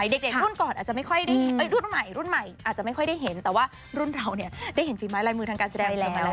เด็กรุ่นใหม่อาจจะไม่ค่อยได้เห็นแต่ว่ารุ่นเราได้เห็นฝีม้ายลายมือทางการแสดงมาก